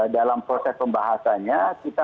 dalam proses pembahasannya kita